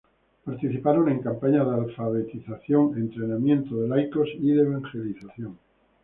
Participaron en campañas de alfabetización, entrenamiento de laicos y de evangelización.